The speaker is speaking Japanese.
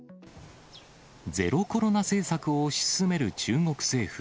ゼロコロナ政策を推し進める中国政府。